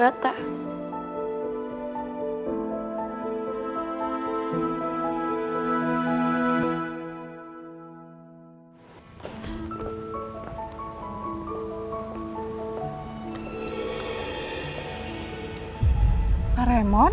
baik ada casing